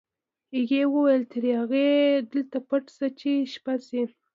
هغې وویل تر هغې دلته پټ شه چې شپه شي